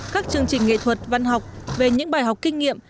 các chương trình nghệ thuật văn học về những bài học kinh nghiệm